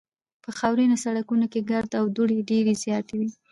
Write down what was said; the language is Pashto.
په خاورینو سړکونو کې ګرد او دوړې ډېرې زیاتې وې